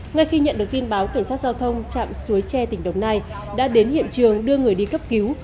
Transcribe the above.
ngay khi nhận được tin báo cảnh sát giao thông chạm suối tre tỉnh đồng nai đã đến hiện trường đưa người đi cấp cứu